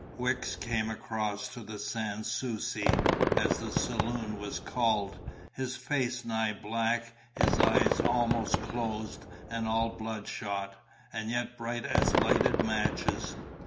Wicks came across to the Sans Souci, as the saloon was called, his face nigh black, his eyes almost closed and all bloodshot, and yet bright as lighted matches.